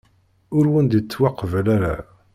Ur wen-d-ittwaqbal ara.